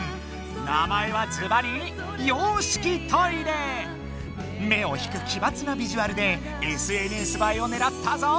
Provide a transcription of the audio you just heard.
名前はずばり目を引く奇抜なビジュアルでＳＮＳばえをねらったぞ！